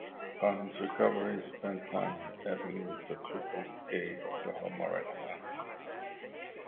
Upon his recovery, he spent time rehabbing with the Triple-A Oklahoma RedHawks.